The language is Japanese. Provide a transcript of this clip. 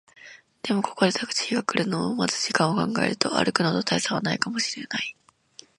でも、ここでタクシーが来るのを待つ時間を考えると、歩くのと大差はないかもしれない